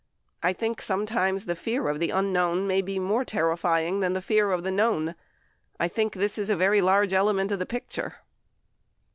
I think sometimes, the fear of the unknown may be more terrifying than fear of the known. I think this is a very large element in the picture.